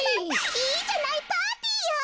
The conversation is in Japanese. いいじゃないパーティーよ！